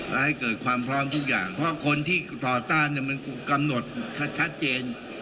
และให้เกิดความพร้อมทุกอย่างเพราะคนที่ต่อต้านมันกำหนดชัดเจน